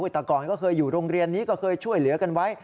แต่ก่อนก็เคยอยู่โรงเรียนนี้ก็เคยช่วยเหลือกันไว้